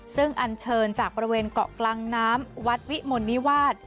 ซึ่งอันเชิญจากบริเวณเกาะกลางน้ำวัดวิมลนิวาส